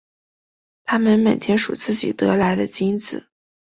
他们每天数自己得来的金子。